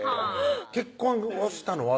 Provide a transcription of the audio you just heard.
結婚をしたのは？